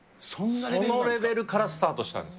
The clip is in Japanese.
そのレベルからスタートしたんです。